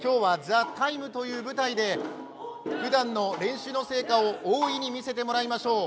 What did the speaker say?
今日は「ＴＨＥＴＩＭＥ，」という舞台でふだんの練習の成果を大いに見せてもらいましょう。